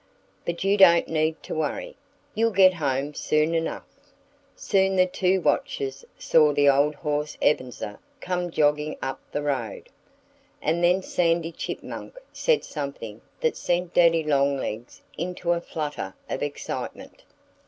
"But you don't need to worry. You'll get home soon enough." Soon the two watchers saw the old horse Ebenezer come jogging up the road. And then Sandy Chipmunk said something that sent Daddy Longlegs into a flutter of excitement.